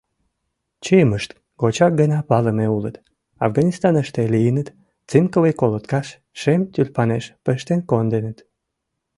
Чиемышт гочак гына палыме улыт: Афганистаныште лийыныт, цинковый колоткаш — шем тюльпанеш пыштен конденыт.